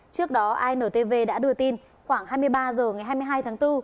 trước đó intv đã đưa tin khoảng hai mươi ba h ngày hai mươi hai tháng bốn